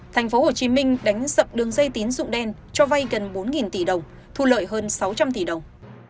thành phố hồ chí minh đánh sập đường dây tín rụng đen cho vay gần bốn tỷ đồng thu lợi hơn sáu trăm linh tỷ đồng